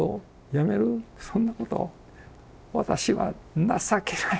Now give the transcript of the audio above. そんなこと私は情けない」